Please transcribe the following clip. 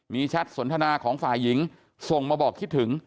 มีแชทสนทนาของฝ่ายหญิงส่งมาบอกคิดถึง